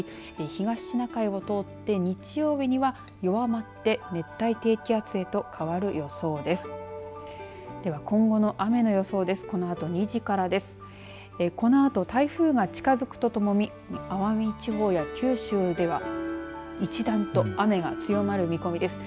東シナ海を通って日曜日には弱まって熱帯低気圧へと変わる予想です。